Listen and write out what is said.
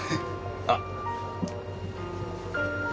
あっ。